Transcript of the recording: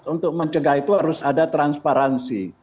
untuk mencegah itu harus ada transparansi